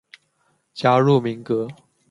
加入民革。